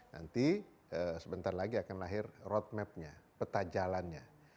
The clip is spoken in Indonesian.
nanti sebentar lagi akan lahir road mapnya peta jalannya